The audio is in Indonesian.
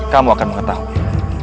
kamu akan mengetahui